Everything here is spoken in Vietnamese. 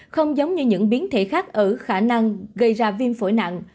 không giống như những biến thể khác ở khả năng gây ra viêm phổi nặng